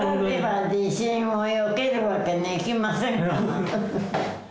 地震をよけるわけにはいきませんから。